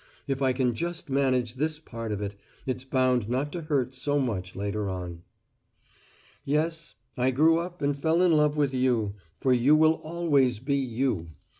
If I can just manage this part of it, it's bound not to hurt so much later on. "Yes, I grew up and fell in love with You for you will always be You.